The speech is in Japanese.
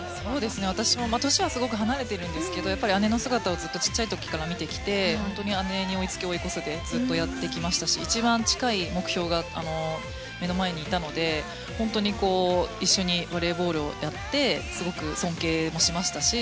私も年はすごく離れているんですが姉の姿を小さい時から見てきて本当に姉に追いつき追い越せでずっとやってきましたし一番近い目標が目の前にいたので一緒にバレーボールをやってすごく尊敬もしましたし